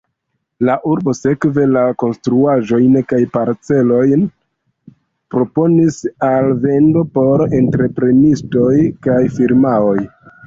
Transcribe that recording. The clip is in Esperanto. La urbo sekve la konstruaĵojn kaj parcelojn proponis al vendo por entreprenistoj kaj firmaoj.